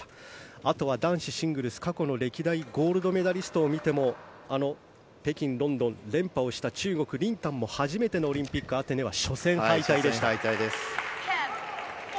あとは男子シングルス過去の歴代ゴールドメダリストを見てもあの北京、ロンドン中国、リン・タンも初めてのオリンピックアテネは初戦敗退でした。